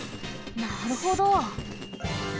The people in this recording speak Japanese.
なるほど！